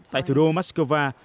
tại thủ đô moscow